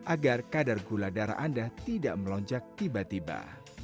agar kadar gula darah anda tidak melonjak tiba tiba